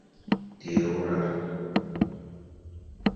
terura